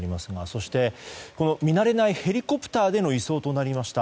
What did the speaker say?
そして、見慣れないヘリコプターでの移送となりました。